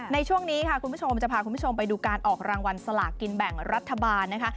ในช่วงนี้ค่ะคุณผู้ชมจะพาคุณผู้ชมไปดูการออกรางวัลสลากกินแบ่งรัฐบาลนะคะ